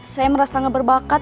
saya merasa gak berbakat